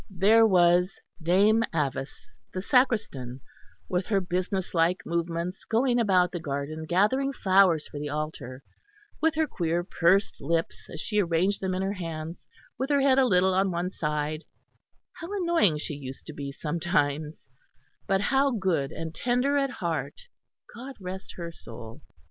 There was Dame Avice, the Sacristan, with her businesslike movements going about the garden, gathering flowers for the altar, with her queer pursed lips as she arranged them in her hands with her head a little on one side; how annoying she used to be sometimes; but how good and tender at heart God rest her soul!